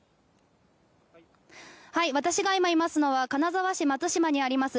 私が今いますのは金沢市松島にあります